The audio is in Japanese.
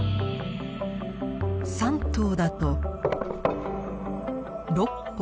３頭だと６本。